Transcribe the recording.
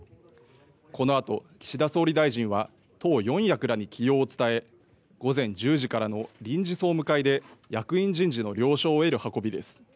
このあと岸田総理大臣は党４役らに起用を伝え午前１０時からの臨時総務会で役員人事の了承を得る運びです。